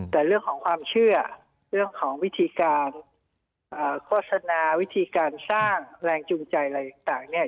แต่เรื่องของความเชื่อเรื่องของวิธีการโฆษณาวิธีการสร้างแรงจูงใจอะไรต่างเนี่ย